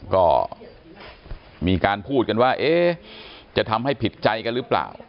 ก็มีการพูดกันว่าจะทำให้ผิดใจกันหรือเปล่า